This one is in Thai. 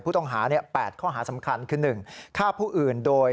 ผู้ต้องหา๘ข้อหาสำคัญคือ